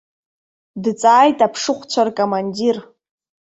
Дҵааит аԥшыхәцәа ркомандир.